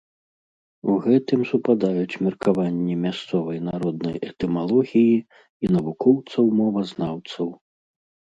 У гэтым супадаюць меркаванні мясцовай народнай этымалогіі і навукоўцаў-мовазнаўцаў.